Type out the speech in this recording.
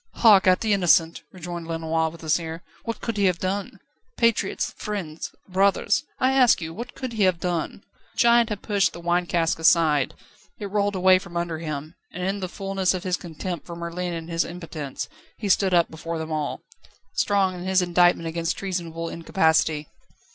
"Hark at the innocent!" rejoined Lenoir, with a sneer. "What could he have done? Patriots, friends, brothers, I ask you, what could he have done?" The giant had pushed the wine cask aside, it rolled away from under him, and in the fulness of his contempt for Merlin and his impotence, he stood up before them all, strong in his indictment against treasonable incapacity.